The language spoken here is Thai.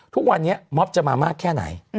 ทุกวันนี้ม็อบจะมามากแค่ไหน